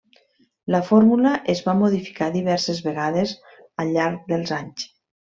La fórmula es va modificar diverses vegades al llarg dels anys.